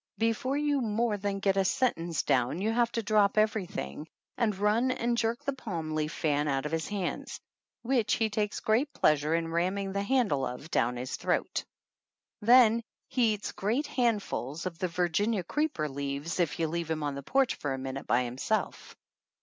Before you more than get a sentence set down you have to drop every thing and run and jerk the palm leaf fan out of his hands, which he takes great pleasure in ramming the handle of down his throat. Then he eats great handsful of the Virginia Creeper leaves if you leave him on the porch for a min ute by himself.